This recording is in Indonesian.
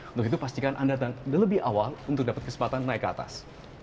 untuk itu pastikan anda lebih awal untuk dapat kesempatan naik ke atas